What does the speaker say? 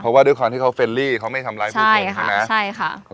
เพราะว่าด้วยความที่เขาเฟรนรี่เขาไม่ทำร้ายผู้คนด้วยนะ